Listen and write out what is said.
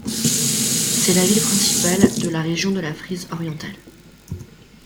C’est la ville principale de la région de la Frise orientale.